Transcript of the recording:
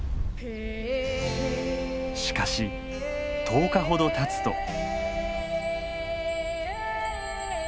しかし１０日ほどたつと。